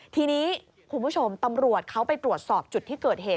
ทีนี้คุณผู้ชมตำรวจเขาไปตรวจสอบจุดที่เกิดเหตุ